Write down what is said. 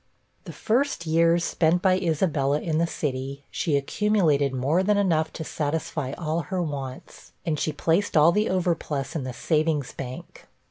The first years spent by Isabella in the city, she accumulated more than enough to satisfy all her wants, and she placed all the overplus in the Savings' Bank.